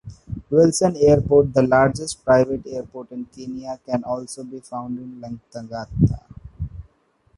Wilson Airport, the largest private airport in Kenya, can also be found in Lang'ata.